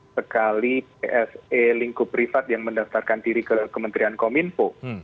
sekali pse lingkup privat yang mendaftarkan diri ke kementerian kominfo